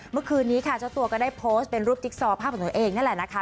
เมื่อคืนนี้ค่ะเจ้าตัวก็ได้โพสต์เป็นรูปจิ๊กซอภาพของตัวเองนั่นแหละนะคะ